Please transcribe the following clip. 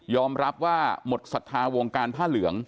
รับว่าหมดศรัทธาวงการผ้าเหลือง